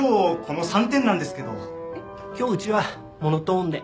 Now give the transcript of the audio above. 今日うちはモノトーンで。